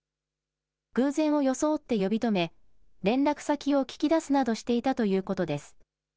偶然を装って呼び止め連絡先を聞き出すなどしていたということです。